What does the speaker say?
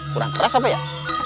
kurang keras apa ya